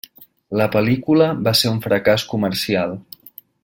La pel·lícula va ser un fracàs comercial.